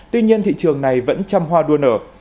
tuy nhiên thị trường này vẫn chăm hoa đua nở